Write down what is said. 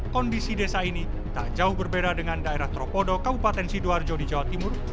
kondisi desa ini tak jauh berbeda dengan daerah tropodo kabupaten sidoarjo di jawa timur